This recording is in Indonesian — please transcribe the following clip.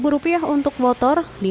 rp dua untuk motor